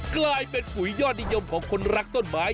กลายเป็นปุ๋ยยอดนิยมของคนรักต้นไม้